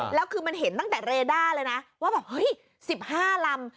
แล้วคือมันเห็นตั้งแต่เรด้าเลยนะว่าแบบเฮ้ย๑๕ลำ